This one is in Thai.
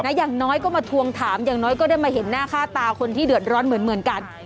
อย่างน้อยก็มาทวงถามอย่างน้อยก็ได้มาเห็นหน้าค่าตาคนที่เดือดร้อนเหมือนกัน